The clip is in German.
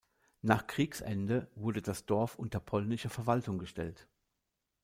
Nach Kriegsende wurde das Dorf unter polnische Verwaltung gestellt.